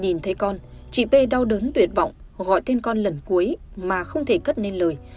nhìn thấy con chị p đau đớn tuyệt vọng gọi thêm con lần cuối mà không thể cất nên lời